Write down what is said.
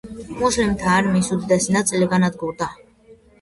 მუსლიმთა არმიის უდიდესი ნაწილი განადგურდა.